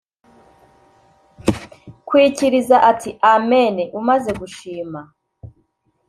kwikiriza ati amen umaze gushima